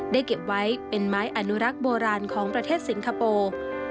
เก็บไว้เป็นไม้อนุรักษ์โบราณของประเทศสิงคโปร์